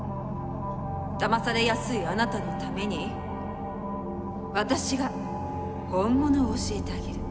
だまされやすいあなたのために私が「ホンモノ」を教えてあげる。